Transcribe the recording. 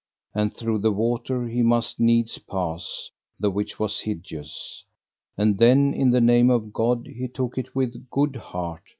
And through the water he must needs pass, the which was hideous; and then in the name of God he took it with good heart.